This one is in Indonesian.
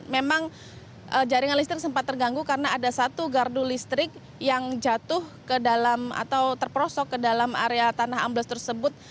memang jaringan listrik sempat terganggu karena ada satu gardu listrik yang jatuh ke dalam atau terperosok ke dalam area tanah ambles tersebut